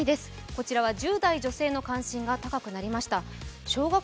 こちらは１０代女性の関心が高くなりました。